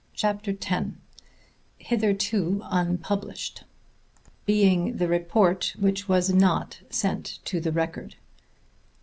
CHAPTER X "HITHERTO UNPUBLISHED" (_Being the report which was not sent to the Record.